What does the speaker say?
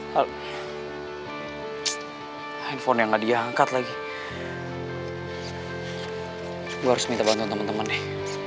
halo halo hai handphone yang ada yang angkat lagi gue harus minta bantuan teman teman nih